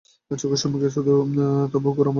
চোখের সম্মুখে তবু ঘরময় বেড়াইতেছ।